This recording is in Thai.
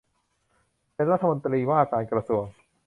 เป็นรัฐมนตรีว่าการกระทรวง